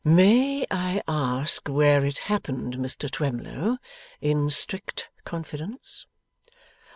'May I ask where it happened, Mr Twemlow? In strict confidence?